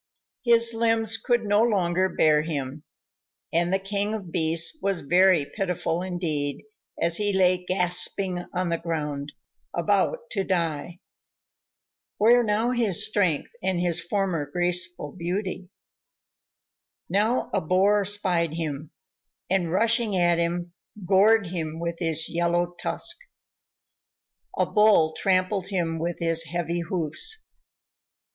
His limbs could no longer bear him, and the King of Beasts was very pitiful indeed as he lay gasping on the ground, about to die. Where now his strength and his former graceful beauty? Now a Boar spied him, and rushing at him, gored him with his yellow tusk. A Bull trampled him with his heavy hoofs.